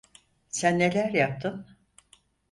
Sen neler yaptın?